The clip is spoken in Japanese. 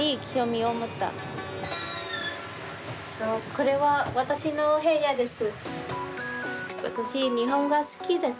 これは私の部屋です。